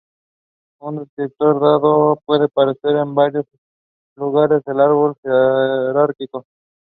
Andoh started his career with Liberty Professionals.